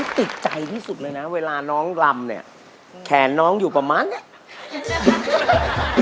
ติดใจที่สุดเลยนะเวลาน้องลำเนี่ยแขนน้องอยู่ประมาณเนี้ย